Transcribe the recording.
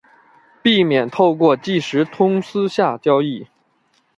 避免透过即时通私下交易